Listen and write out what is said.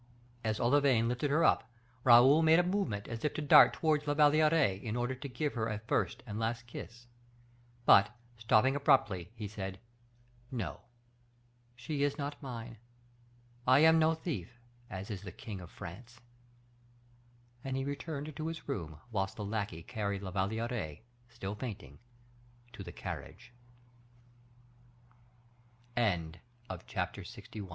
As Olivain lifted her up, Raoul made a movement as if to dart towards La Valliere, in order to give her a first and last kiss, but, stopping abruptly, he said, "No! she is not mine. I am no thief as is the king of France." And he returned to his room, whilst the lackey carried La Valliere, still fainting, to the carriage. Chapter LXII.